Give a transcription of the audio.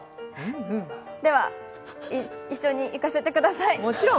では一緒にいかせてください。